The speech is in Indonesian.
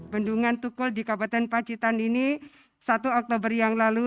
bendungan tukul di kabupaten pacitan ini satu oktober yang lalu